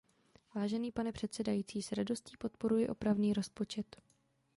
Vážený pane předsedající, s radostí podporuji opravný rozpočet.